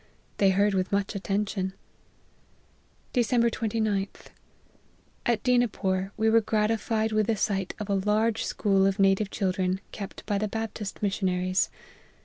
They heard with much attention." " Dec. 29th. At Dinapore we were gratified with the sight of a large school of native children, kept by the Baptist missionaries.